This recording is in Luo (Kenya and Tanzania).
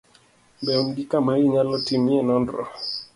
be un gi kama inyalo timie nonro?